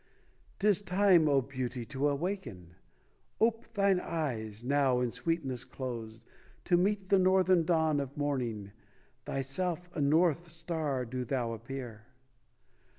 'Tis time, O Beauty, to awaken: Ope* thine eyes, now in sweetness closed, To meet the Northern Dawn of Morning. Thyself a north star do thou appear